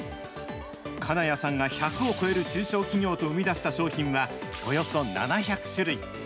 金谷さんが１００を超える中小企業と生み出した商品は、およそ７００種類。